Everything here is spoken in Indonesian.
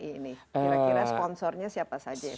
kira kira sponsornya siapa saja yang sudah